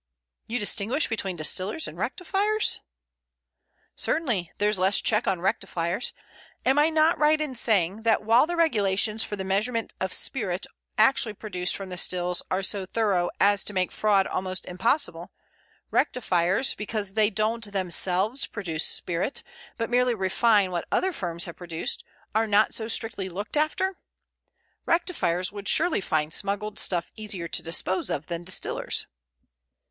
"You distinguish between distillers and rectifiers?" "Certainly; there's less check on rectifiers. Am I not right in saying that while the regulations for the measurement of spirit actually produced from the stills are so thorough as to make fraud almost impossible, rectifiers, because they don't themselves produce spirit, but merely refine what other firms have produced, are not so strictly looked after? Rectifiers would surely find smuggled stuff easier to dispose of than distillers."